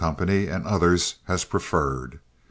and others as preferred.